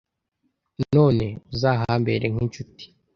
none uzahambere nk’inshuti’’